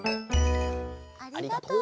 ありがとう。